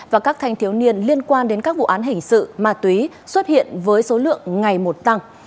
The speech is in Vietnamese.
và các thanh thiếu niên liên quan đến các vụ án hình sự ma túy xuất hiện với số lượng ngày một tăng